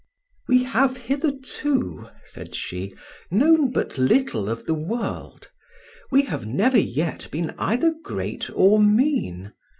"We have hitherto," said she, "known but little of the world; we have never yet been either great or mean.